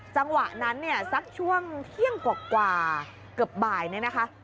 จังหวะนั้นเนี่ยสักช่วงเที่ยงกว่าเกือบบ่ายเนี่ยนะคะ